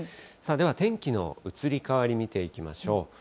では天気の移り変わり、見ていきましょう。